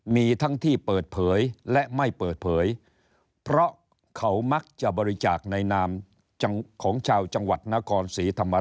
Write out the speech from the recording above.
มีทั้งที่เปิดเผยและไม่เปิดเผยเพราะเขามักจะบริจาคในนามของชาวจังหวัดนครศรีธรรมราช